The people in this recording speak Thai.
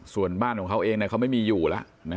ส่วนบ้านของเขาเองเขาไม่มีอยู่แล้ว